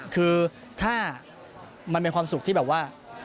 คือถ้ามันเป็นความสุขที่แบบว่า